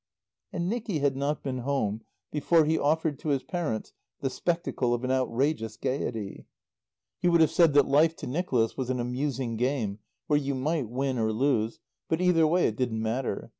And Nicky had not been home before he offered to his parents the spectacle of an outrageous gaiety. You would have said that life to Nicholas was an amusing game where you might win or lose, but either way it didn't matter.